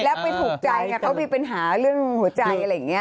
แล้วไปถูกใจไงเขามีปัญหาเรื่องหัวใจอะไรอย่างนี้